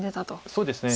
そうですね。